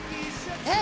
えっ？